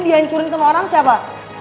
dihancurin sama orang siapa